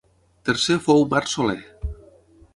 Tercer fou Marc Soler.